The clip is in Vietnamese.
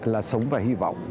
là sống và hy vọng